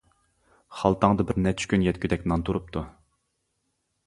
— خالتاڭدا بىرنەچچە كۈن يەتكۈدەك نان تۇرۇپتۇ.